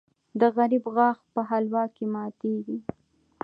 د غریب غاښ په حلوا کې ماتېږي.